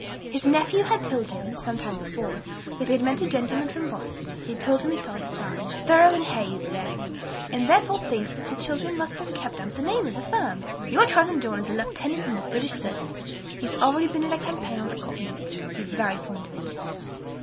His nephew had told him, some time before, that he met a gentleman from Boston, who told him he saw the sign 'Thoreau and Hayse' there, and he therefore thinks the children must have kept up the name of the firm. 'Your cousin John is a lieutenant in the British service; he has already been in a campaign on the Continent; he is very fond of it.'